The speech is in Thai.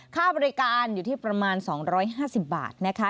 ค่าบริการอยู่ที่ประมาณ๒๕๐บาทนะคะ